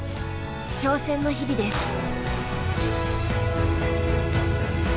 挑戦の日々です。